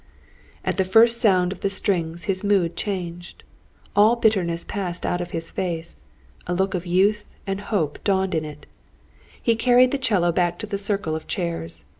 At the first sound of the strings his mood changed. All bitterness passed out of his face. A look of youth and hope dawned in it. He carried the 'cello back to the circle of chairs.